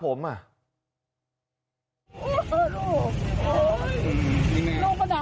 โอ้โหลูกมันหายมา